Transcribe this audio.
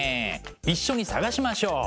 一緒に探しましょう！